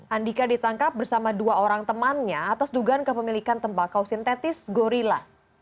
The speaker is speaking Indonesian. andika ditangkap bersama dua orang temannya atas dugaan kepemilikan tembakau sintetis gorilla